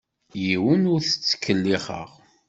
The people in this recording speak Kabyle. Yiwen ur t-ttkellixeɣ.